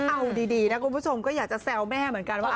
เอาดีนะคุณผู้ชมก็อยากจะแซวแม่เหมือนกันว่า